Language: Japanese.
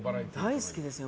大好きですよ。